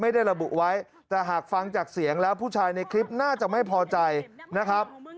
ไม่ได้ระบุไว้แต่หากฟังจากเสียงแล้วผู้ชายในคลิปน่าจะไม่พอใจนะครับ